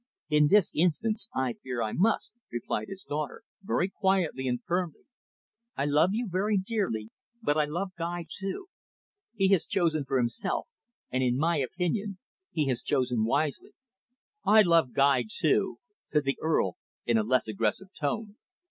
"In this instance, I fear I must," replied his daughter very quietly and firmly. "I love you very dearly, but I love Guy too. He has chosen for himself, and in my opinion he has chosen wisely." "I love Guy too," said the Earl in a less aggressive tone.